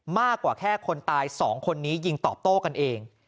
มากกว่าแค่คนตาย๒คนนี้ยิงตอบโต้กันเอง